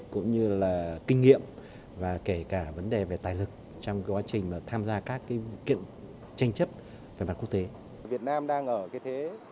cũng như là kinh nghiệm và kể cả vấn đề về tài lực trong quá trình tham gia các kiện tranh chấp về mặt quốc tế